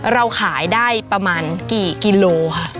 เราขายได้ประมาณกี่กิโลค่ะ